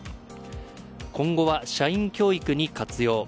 今後は社員教育に活用。